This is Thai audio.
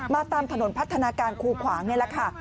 ตามถนนพัฒนาการคูขวางนี่แหละค่ะ